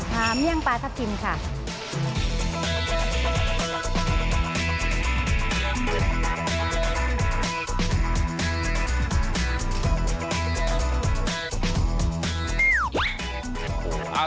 เลี่ยงปลาทับทิมค่ะ